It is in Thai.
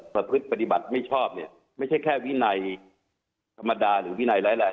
ประพฤติปฏิบัติไม่ชอบเนี่ยไม่ใช่แค่วินัยธรรมดาหรือวินัยร้ายแรง